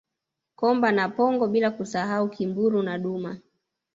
Komba na pongo bila kusahau Kimburu na Duma